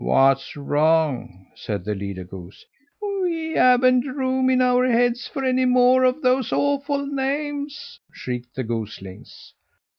"What's wrong?" said the leader goose. "We haven't room in our heads for any more of those awful names!" shrieked the goslings.